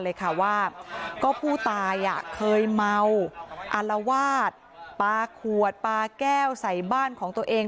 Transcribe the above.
เลยค่ะว่าก็ผู้ตายเคยเมาอารวาสปลาขวดปลาแก้วใส่บ้านของตัวเอง